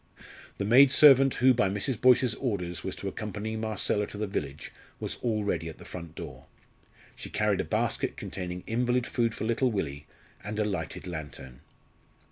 The maid servant who, by Mrs. Boyce's orders, was to accompany Marcella to the village, was already at the front door. She carried a basket containing invalid food for little Willie, and a lighted lantern.